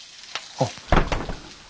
あっ。